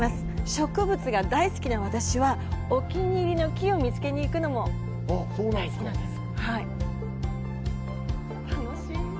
植物が大好きな私はお気に入りの木を見つけに行くのも大好きなんです。